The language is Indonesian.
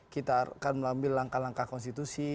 kita akan mengambil langkah langkah konstitusi